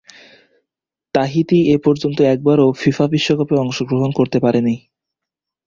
Tahiti এপর্যন্ত একবারও FIFA বিশ্বকাপে অংশগ্রহণ করতে পারেনি।